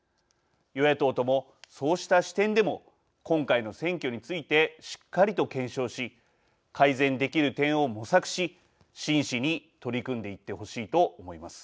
与野党ともそうした視点でも今回の選挙についてしっかりと検証し改善できる点を模索し真摯に取り組んでいってほしいと思います。